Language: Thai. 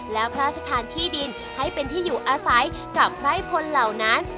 และพระราชทานที่ดินให้เป็นที่อยู่อาศัยกับไพร่พลเหล่านั้น